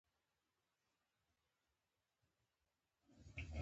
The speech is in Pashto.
خړ کب خوله وهله.